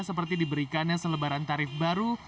seperti diberikannya selebaran tarif baru